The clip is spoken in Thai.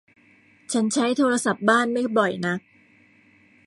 ฉันใช้โทรศัพท์บ้านไม่บ่อยนัก